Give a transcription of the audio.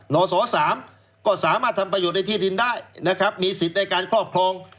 นศ๓ก็สามารถทำประโยชน์ในที่ดินได้นะครับมีสิทธิ์ในการครอบครอง